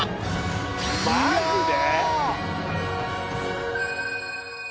マジで？